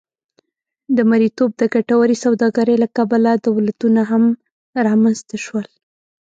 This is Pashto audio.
د مریتوب د ګټورې سوداګرۍ له کبله دولتونه هم رامنځته شول.